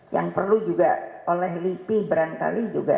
yang perlu juga oleh lipih berantali juga